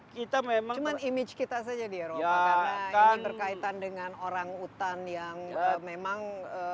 kita memang image kita saja di eropa karena ini berkaitan dengan orang utan yang memang